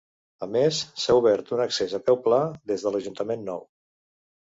A més, s'ha obert un accés a peu pla des de l'Ajuntament nou.